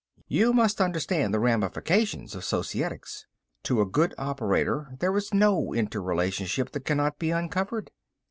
You must understand the ramifications of Societics. To a good operator there is no interrelationship that cannot be uncovered.